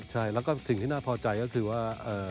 ใช่แล้วก็สิ่งที่น่าพอใจก็คือว่า